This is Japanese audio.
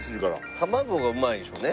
卵がうまいんでしょうね。